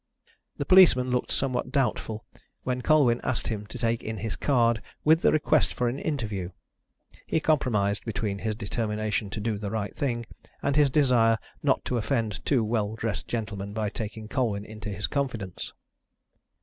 The policeman looked somewhat doubtful when Colwyn asked him to take in his card with the request for an interview. He compromised between his determination to do the right thing and his desire not to offend two well dressed gentlemen by taking Colwyn into his confidence.